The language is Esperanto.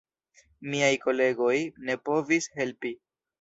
Miaj kolegoj ne povis helpi.